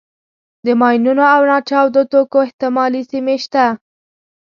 د ماینونو او ناچاودو توکو احتمالي سیمې شته.